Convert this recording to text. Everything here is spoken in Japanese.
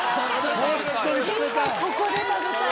今ここで食べたい！